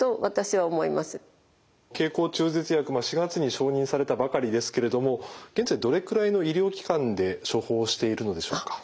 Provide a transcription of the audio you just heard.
経口中絶薬も４月に承認されたばかりですけれども現在どれくらいの医療機関で処方しているのでしょうか？